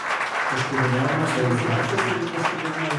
O escudo de armas é o dos Bárcena.